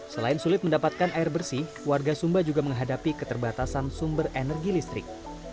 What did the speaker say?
selain sulit mendapatkan air bersih warga sumba juga menghadapi keterbatasan sumber energi listrik